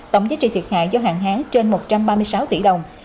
tổng giá trị thiệt hại do hạn hán trên một trăm ba mươi sáu tỷ đồng